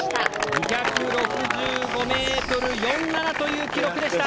２６５．４７ｍという記録でした！